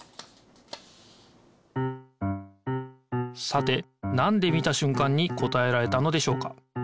さてなんで見たしゅんかんに答えられたのでしょうか？